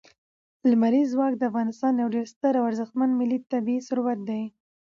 لمریز ځواک د افغانستان یو ډېر ستر او ارزښتمن ملي طبعي ثروت دی.